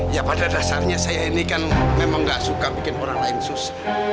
ya pada dasarnya saya ini kan memang gak suka bikin orang lain susah